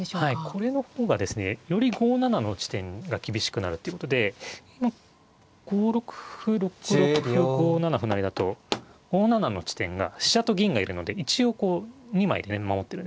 これの方がですねより５七の地点が厳しくなるっていうことで５六歩６六歩５七歩成だと５七の地点が飛車と銀がいるので一応こう２枚でね守ってるんですね。